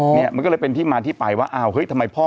เนี่ยมันก็เลยเป็นที่มาที่ไปว่าอ้าวเฮ้ยทำไมพ่อ